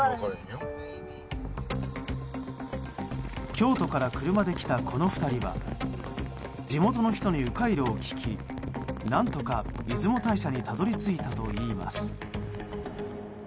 京都から車で来たこの２人は地元の人に迂回路を聞き何とか出雲大社にたどり着いたといいます。